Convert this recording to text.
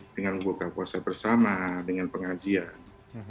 dengan buka puasa bersama dengan pengajian